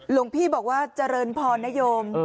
หลวงพี่บอกว่าเจริญพรนโยม